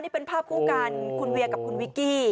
นี่เป็นภาพคู่กันคุณเวียกับคุณวิกกี้